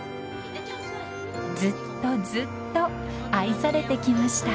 ［ずっとずっと愛されてきました］